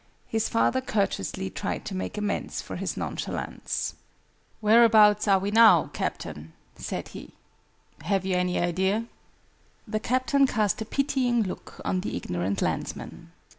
His father courteously tried to make amends for his nonchalance. "Whereabouts are we now, Captain?" said he, "Have you any idea?" The Captain cast a pitying look on the ignorant landsman.